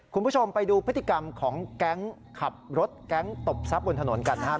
คุณผู้ชมไปดูพฤติกรรมของแก๊งขับรถแก๊งตบทรัพย์บนถนนกันนะครับ